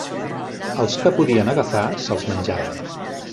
Als que podien agafar se'ls menjaven.